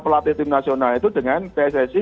pelatih tim nasional itu dengan pssi